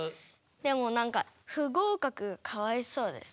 でもなんか不合かくかわいそうです。